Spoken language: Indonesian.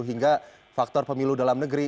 hingga faktor pemilu dalam negeri